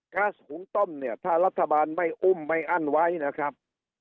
๊าซหุงต้มเนี่ยถ้ารัฐบาลไม่อุ้มไม่อั้นไว้นะครับ